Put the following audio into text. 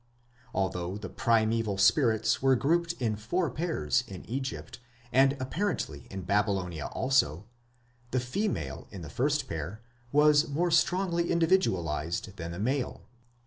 Although the primeval spirits were grouped in four pairs in Egypt, and apparently in Babylonia also, the female in the first pair was more strongly individualized than the male.